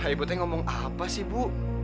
ibu tuh ngomong apa sih bu